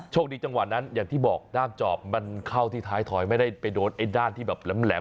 จังหวะนั้นอย่างที่บอกด้ามจอบมันเข้าที่ท้ายถอยไม่ได้ไปโดนไอ้ด้านที่แบบแหลม